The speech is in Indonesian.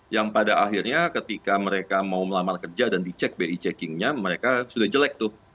yang pada akhirnya ketika mereka mau melamar kerja dan dicek bi checkingnya mereka sudah jelek tuh